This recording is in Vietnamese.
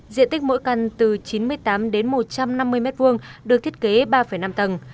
diện tích mỗi căn từ chín mươi tám đến một trăm năm mươi m hai được thiết kế ba năm tầng